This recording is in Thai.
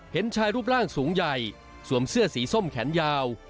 เห็นชายรูปร่างสูงใหญ่สวมเสื้อสีส้มแขนยาว